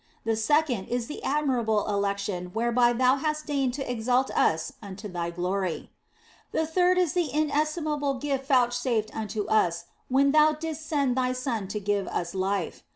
The second is the admir able election whereby Thou hast deigned to exalt us unto Thy glory. The third is the inestimable gift vouchsafed us when Thou didst send Thy Son to give us life.